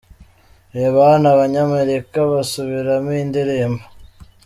Reba hano aba banyamerika basubiramo iyi ndirimbo .